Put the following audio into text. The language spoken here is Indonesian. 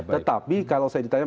tetapi kalau saya ditanya